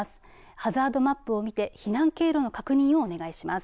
ハザードマップを見て避難経路の確認をお願いします。